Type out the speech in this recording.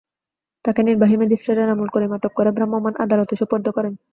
তাকে নির্বাহী ম্যাজিস্ট্রেট এনামুল করিম আটক করে ভ্রাম্যমাণ আদালতে সোপর্দ করেন।